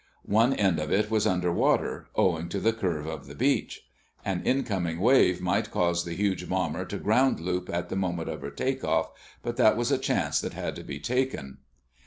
One end of it was under water, owing to the curve of the beach. An incoming wave might cause the huge bomber to ground loop at the moment of her take off, but that was a chance that had to be taken.